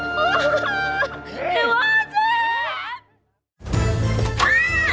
พี่วุฒิ